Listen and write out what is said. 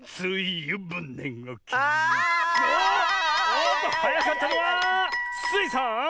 おっとはやかったのはスイさん！